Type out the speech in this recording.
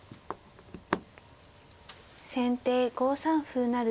先手５三歩成。